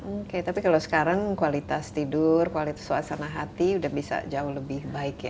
oke tapi kalau sekarang kualitas tidur kualitas suasana hati udah bisa jauh lebih baik ya